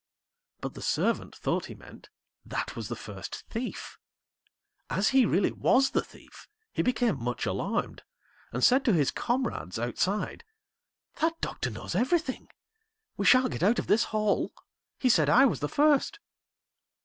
But the servant thought he meant, 'That was the first thief.' As he really was the thief, he became much alarmed, and said to his comrades outside 'That Doctor knows everything, we shan't get out of this hole; he said I was the first.'